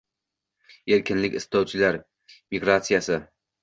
«erkinlik istovchilar migratsiyasi»